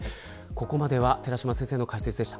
ここまでは寺嶋先生の解説でした。